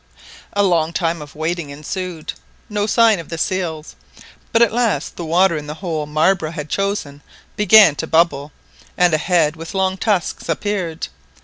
A long time of waiting ensued—no sign of the seals, but at last the water in the hole Marbre had chosen began to bubble, and a head with long tusks appeared.